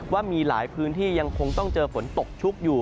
ว่ามีหลายพื้นที่ยังคงต้องเจอฝนตกชุกอยู่